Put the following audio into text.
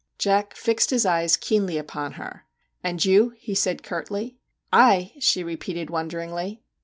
' Jack fixed his eyes keenly upon her, 'And you ?' he said curtly. 1 1 ?' she repeated wonderingly.